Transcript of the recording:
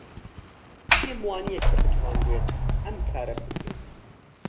پێم وانییە کە بتوانرێت ئەم کارە بکرێت.